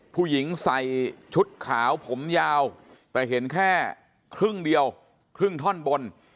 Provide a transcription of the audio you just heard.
ผู้หญิงใส่ชุดขาวผมยาวแต่เห็นแค่ครึ่งเดียวครึ่งท่อนบน